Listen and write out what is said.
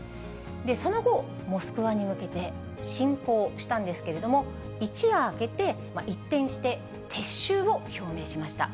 その後、モスクワに向けて進行したんですけれども、一夜明けて、一転して撤収を表明しました。